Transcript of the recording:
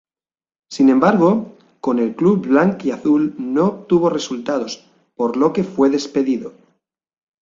Sin embargo con el club blanquiazul no obtuvo resultados por lo que fue despedido.